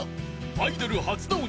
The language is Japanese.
［アイドル初の鬼